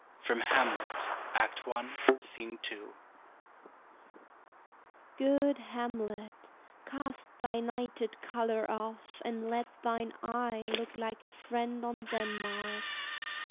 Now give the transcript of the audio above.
Good Hamlet, cast thy nighted color off, And let thine eye look like a friend on Denmark.